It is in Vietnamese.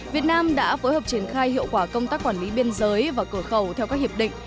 việt nam đã phối hợp triển khai hiệu quả công tác quản lý biên giới và cửa khẩu theo các hiệp định